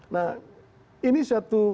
nah ini satu